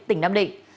tỉnh nam định